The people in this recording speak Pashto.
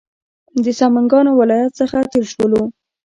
د سمنګانو ولایت څخه تېر شولو.